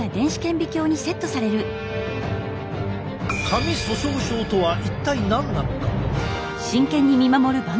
髪粗しょう症とは一体何なのか？